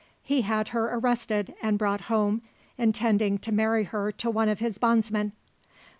He had her arrested and brought home, intending to marry her to one of his bondsmen.